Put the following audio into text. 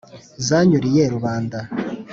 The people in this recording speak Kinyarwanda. zanyuriye rubanda